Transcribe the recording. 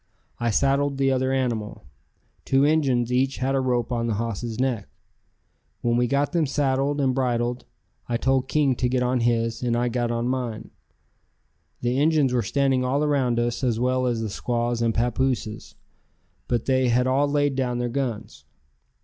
I saddled the other animal; two Injuns each had a rope on the hoss's neck. When we got them saddled and bridled, I told King to get on his, and I got on mine. The Injuns were standing all around us as well as the squaws and papooses, but they had all laid down their guns.